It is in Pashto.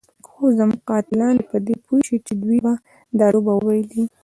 خو زموږ قاتلان دې په دې پوه شي چې دوی به دا لوبه وبایلي.